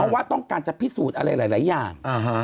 ว่าต้องการจะพิสูจน์อะไรหลายอย่าง